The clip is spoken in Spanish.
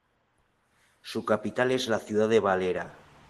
Su capital es la ciudad de Valera.